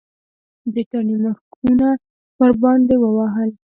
برټانیې مارکونه ورباندې وهل.